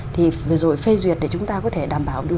thì vừa rồi phê duyệt để chúng ta có thể đảm bảo được